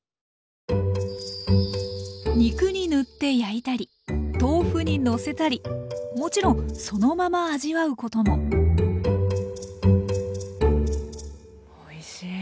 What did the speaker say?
肉に塗って焼いたり豆腐にのせたりもちろんそのまま味わうこともおいしい。